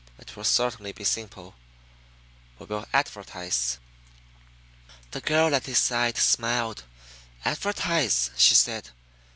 "It will certainly be simple. We will advertise." The girl at his side smiled. "Advertise?" she said.